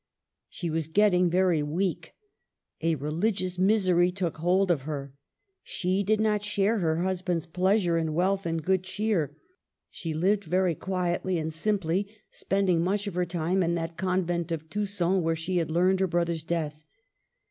She was getting very weak ; a religious misery took hold of her. She did not share her husband's pleasure in wealth and good cheer. She lived very quietly and simply, spending much of her time in that convent of Tusson where she had learned her brother's death.